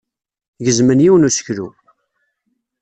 Gezmen yiwen n useklu.